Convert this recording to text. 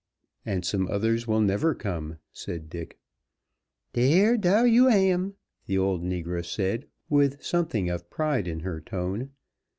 "And some others will never come," said Dick. "Dar, dar yo' am," the old negress said with something of pride in her tone.